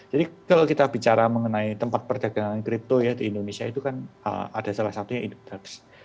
jadi kalau kita bicara mengenai tempat perdagangan kripto di indonesia itu kan ada salah satunya indodax